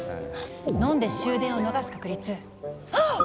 飲んで終電を逃す確率はっ！